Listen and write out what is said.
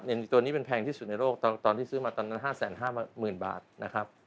ตัวนี้มันแพงที่สุดในโลกตอนที่ซื้อมาตอนนั้น๕๕๐๐๐บาทนะครับ